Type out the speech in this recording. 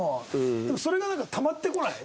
でもそれがたまってこない？